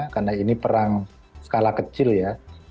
karena ini perang skala kecil ya